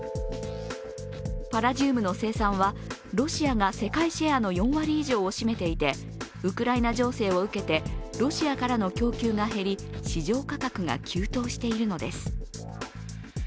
パラジウムの生産はロシアが世界シェアの４割以上を占めていてウクライナ情勢を受けて、ロシアからの供給が減り市場価格が急騰しているのです。